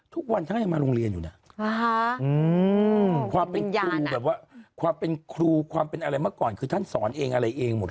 ทุกวันท่านยังมาโรงเรียนอยู่นะความเป็นครูอะไรมาก่อนคือท่านสอนเองอะไรเองหมดเลยนะ